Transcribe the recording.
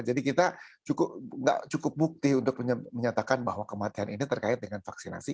jadi kita nggak cukup bukti untuk menyatakan bahwa kematian ini terkait dengan vaksinasi